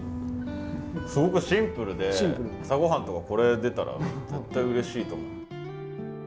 すごくシンプルで朝ごはんとかこれ出たら絶対うれしいと思う。